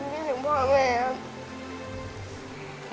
ไม่ได้ถึงพ่อกับแม่ครับ